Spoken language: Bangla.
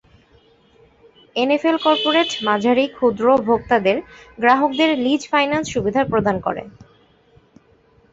এনএফএল কর্পোরেট, মাঝারি, ক্ষুদ্র ও ভোক্তাদের গ্রাহকদের লিজ ফাইন্যান্স সুবিধা প্রদান করে।